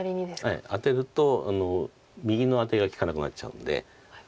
ええアテると右のアテが利かなくなっちゃうんで。